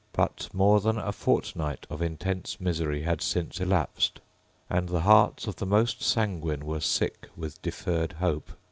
But more than a fortnight of intense misery had since elapsed; and the hearts of the most sanguine were sick with deferred hope.